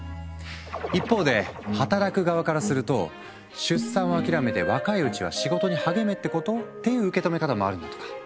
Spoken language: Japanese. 一方で働く側からすると出産を諦めて若いうちは仕事に励めってこと？っていう受け止め方もあるんだとか。